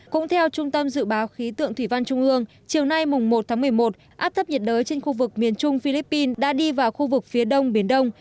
cũng theo trung tâm dự báo khí tượng thủy văn trung ương chiều nay một tháng một mươi một áp thấp nhiệt đới trên khu vực miền trung philippines đã đi vào khu vực phía đông biển đông